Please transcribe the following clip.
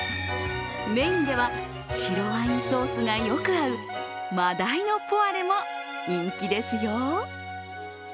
メインでは、白ワインソースがよく合う真鯛のポワレも人気ですよ。